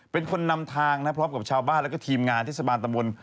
เป็นคนนำทางนะพร้อมกับชาวบ้านแล้วก็ทีมงานเทศบาลตะมนต์